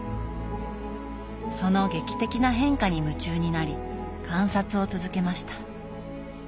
その劇的な変化に夢中になり観察を続けました。